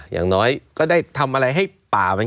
อย่างน้อยก็ได้ทำอะไรให้ป่ามัน